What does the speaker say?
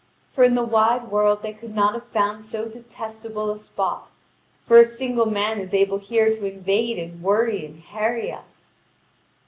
For in the wide world they could not have found so detestable a spot, for a single man is able here to invade and worry and harry us."